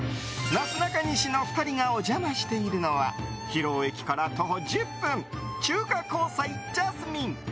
なすなかにしの２人がお邪魔しているのは広尾駅から徒歩１０分中華香彩ＪＡＳＭＩＮＥ。